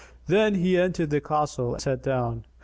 Then he entered the castle and sat down.